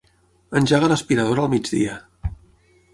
Engega l'aspiradora al migdia.